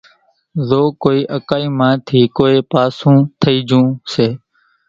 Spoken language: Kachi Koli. زو ڪونئين اڪائِي مان ٿِي ڪونئين پاسُون ٿئِي جھون سي